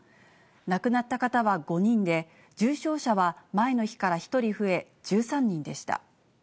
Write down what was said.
亡くなった方は５人で、重症者は前の日から１人増え１３人でした。